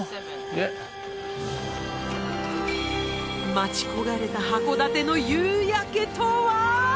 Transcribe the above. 待ち焦がれた函館の夕焼けとは？